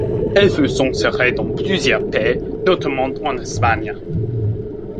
Elle fut censurée dans plusieurs pays, notamment en Espagne.